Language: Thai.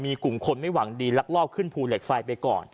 มีกลุ่มคนไม่หวังดีลักลอบขึ้นภูเหล็กไฟไปก่อน